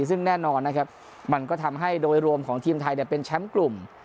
ซึ่งแน่นอนนะครับมันก็ทำให้โดยรวมของทีมไทยเป็นแชมป์กลุ่ม